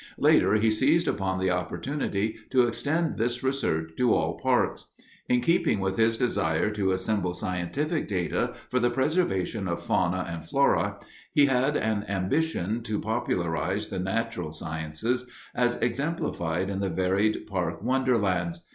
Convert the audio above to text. Later he seized upon the opportunity to extend this research to all parks. In keeping with his desire to assemble scientific data for the preservation of fauna and flora, he had an ambition to popularize the natural sciences as exemplified in the varied park wonderlands.